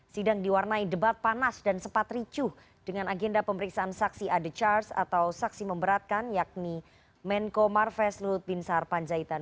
sidang diwarnai debat panas dan sempat ricuh dengan agenda pemeriksaan saksi ade charge atau saksi memberatkan yakni menko marves lut bin sarpanjaitan